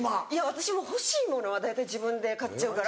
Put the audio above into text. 私も欲しいものは大体自分で買っちゃうから。